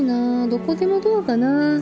どこでもドアかな。